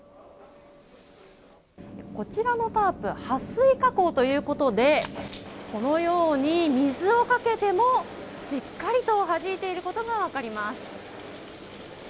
こちらのタープ撥水加工ということでこのように水をかけてもしっかりと弾いていることが分かります。